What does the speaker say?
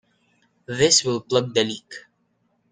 This will plug the leak.